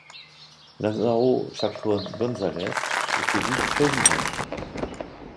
Lázaro Chacón González est élu président.